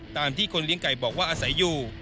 ตามที่คนเลี้ยงไก่บอกว่าอาศัยอยู่